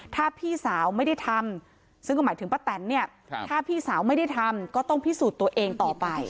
ถ้าพี่สาวไม่ได้ทำซึ่งก็หมายถึงป้าแตนเนี่ยถ้าพี่สาวไม่ได้ทำก็ต้องพิสูจน์ตัวเองต่อไป